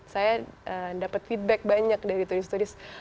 saya dapat feedback banyak dari turis turis